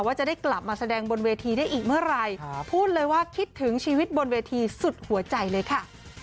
ว่าจะได้กลับมาแสดงบนเวทีได้อีกเมื่อไหร่พูดเลยว่าคิดถึงชีวิตบนเวทีสุดหัวใจเลยค่ะ